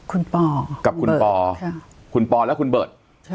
ก็กับคุณปอและคุณเบิร์ต